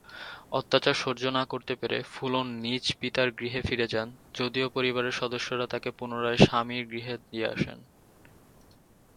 অত্যাচার সহ্য না করতে পেরে ফুলন নিজ পিতার গৃহে ফিরে যান যদিও পরিবারের সদস্যরা তাকে পুনরায় স্বামীর গৃহে দিয়ে আসেন।